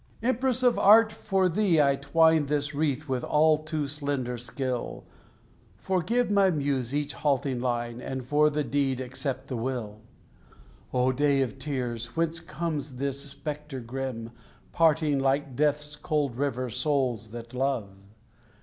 Empress of Art, for thee I twine This wreath with all too slender skill. Forgive my Muse each halting line, And for the deed accept the will! O day of tears! Whence comes this spectre grim, Parting, like Death's cold river, souls that love?